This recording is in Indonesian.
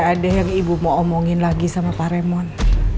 ada yang ibu mau omongin lagi sama pak remon